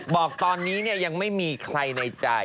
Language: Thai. บอกตอนนี้ยังไม่มีใครในใจ